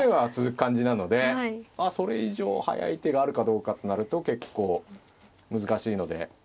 それ以上速い手があるかどうかってなると結構難しいので。